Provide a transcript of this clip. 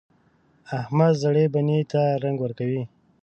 احمد زړې بنۍ ته رنګ ورکوي.